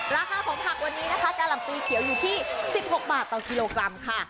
ราคาของผักวันนี้นะคะกะหล่ำปีเขียวอยู่ที่๑๖บาทต่อกิโลกรัมค่ะ